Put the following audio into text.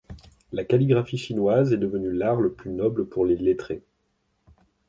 La calligraphie chinoise est devenue l'art le plus noble pour les lettrés.